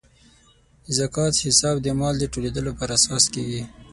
د زکات حساب د مال د ټولیدو پر اساس کیږي.